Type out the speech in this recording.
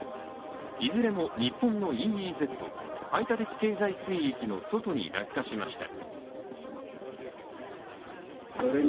いずれも日本のＥＥＺ＝排他的経済水域の外に落下しました。